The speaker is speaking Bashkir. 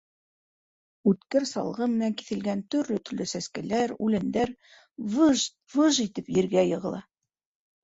Үткер салғы менән киҫелгән төрлө-төрлө сәскәләр, үләндәр «выжт... выжт...» итеп ергә йығыла.